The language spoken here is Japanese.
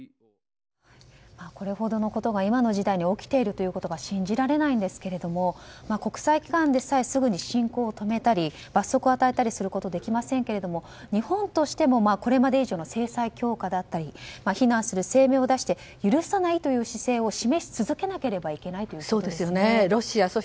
これほどのことが今の時代に起きているということが信じられないんですけども国際機関でさえすぐに侵攻を止めたり罰則を与えたりすることができませんけども日本としても、これまで以上の制裁強化だったり非難する声明を出して許さないという姿勢を示し続けなければいけないロシア